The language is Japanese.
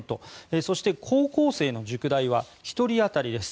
そして、高校生の塾代は１人当たりです。